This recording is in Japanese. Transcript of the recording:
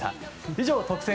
以上、特選！！